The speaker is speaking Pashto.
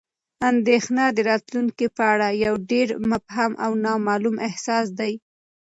اندېښنه د راتلونکي په اړه یو ډېر مبهم او نامعلوم احساس دی.